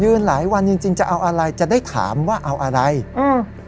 หลายวันจริงจริงจะเอาอะไรจะได้ถามว่าเอาอะไรอืม